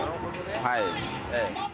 はい